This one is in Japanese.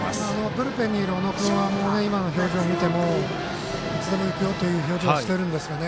ブルペンにいる小野君は、今の表情、見てもいつでもいくよという表情をしています。